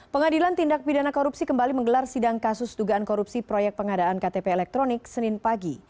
pengadilan tindak pidana korupsi kembali menggelar sidang kasus dugaan korupsi proyek pengadaan ktp elektronik senin pagi